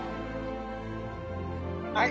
はい